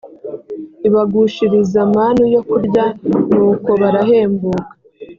ibagushiriza manu yo kurya nuko barahembuka